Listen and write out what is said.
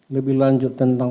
lebih lanjut tentang